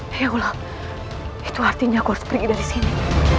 ya allah itu artinya aku harus pergi dari sini